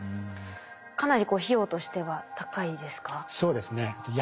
かなり費用としては高いですか？